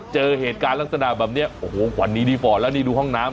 เจอเหตุการณ์ลักษณะแบบนี้โอ้โหขวัญนี้ดีฟอร์ดแล้วนี่ดูห้องน้ำ